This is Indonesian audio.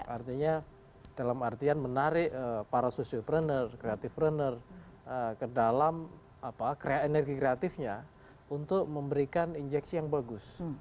artinya dalam artian menarik para social planner creative pruner ke dalam energi kreatifnya untuk memberikan injeksi yang bagus